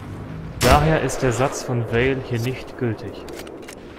Daher ist der Satz von Weyl hier nicht gültig.